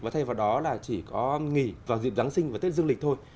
và thay vào đó là chỉ có nghỉ vào dịp giáng sinh và tết dương lịch thôi